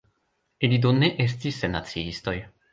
Ili do ne estis sennaciistoj.